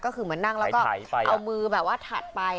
ก็คือเหมือนนั่งแล้วก็เอามือแบบว่าถัดไป